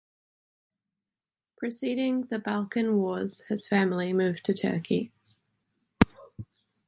Preceding the Balkan Wars, his family moved to Turkey.